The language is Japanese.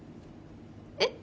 えっ？